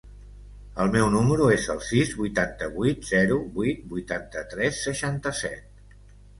El meu número es el sis, vuitanta-vuit, zero, vuit, vuitanta-tres, seixanta-set.